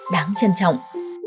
đáng trân trọng